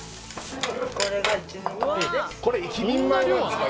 これ一人前なんですか！？